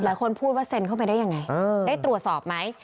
พูดว่าเซ็นเข้าไปได้ยังไงได้ตรวจสอบไหม